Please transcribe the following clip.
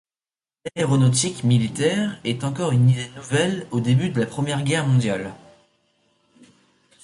L'aéronautique militaire est encore une idée nouvelle au début de la Première Guerre mondiale.